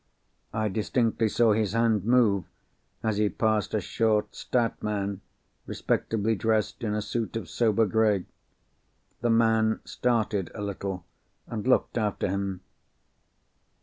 I distinctly saw his hand move, as he passed a short, stout man, respectably dressed in a suit of sober grey. The man started a little, and looked after him.